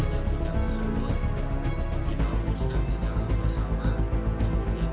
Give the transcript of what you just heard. dari enam persatuan tersebut